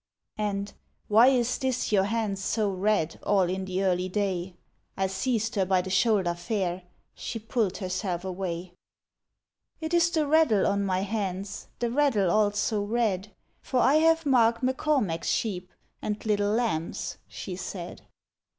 And, ' Why is this, your hands so red All in the early day ?' 26 THE WHITE WITCH I seized her by the shoulder fair, She pulled herself away. ' It is the raddle on my hands, The raddle all so red, For I have marked M'Cormac's sheep And little lambs,' she said.